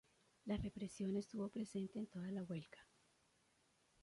La represión estuvo presente en toda la huelga.